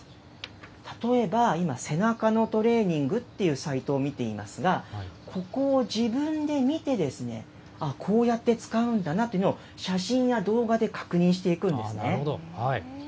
例えば今、背中のトレーニングっていうサイトを見ていますが、ここを自分で見て、こうやって使うんだなというのを写真や動画で確認していくんですね。